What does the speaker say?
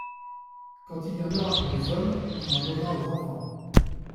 Quand il y en aura pour les hommes, on en donnera aux enfants.